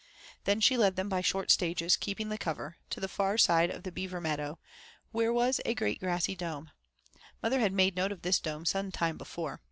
Then she led them by short stages, keeping the cover, to the far side of the beaver meadow, where was a great grassy dome. The mother had made a note of this dome some time before.